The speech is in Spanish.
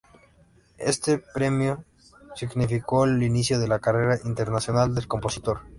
Este premio significó el inicio de la carrera internacional del compositor.